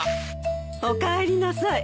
おかえりなさい。